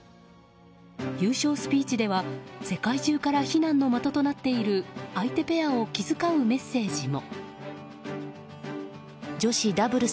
優勝スピーチでは世界中から非難の的となっている相手ペアを気遣うメッセージも。